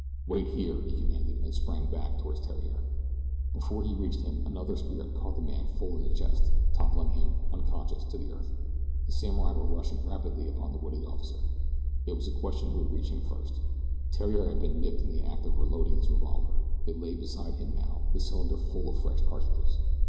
"Wait here!" he commanded and sprang back toward Theriere. Before he reached him another spear had caught the man full in the chest, toppling him, unconscious, to the earth. The samurai were rushing rapidly upon the wounded officer it was a question who would reach him first. Theriere had been nipped in the act of reloading his revolver. It lay beside him now, the cylinder full of fresh cartridges.